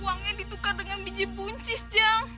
uangnya ditukar dengan biji buncis ya